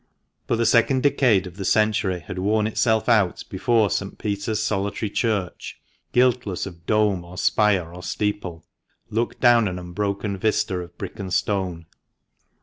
But the second decade of the century had worn itself out before St. Peter's solitary Church (guiltless of dome, or spire, or steeple) looked down an unbroken vista of brick and stone.